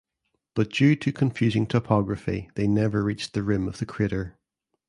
But due to confusing topography they never reached the rim of the crater.